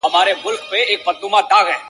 • تور او سور زرغون کفن مي جهاني در څخه غواړم -